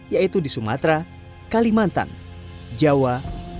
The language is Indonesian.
yaitu di sumatera kalimantan jawa bali dan nusa tenggara